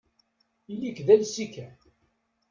Ili-k d alsi kan.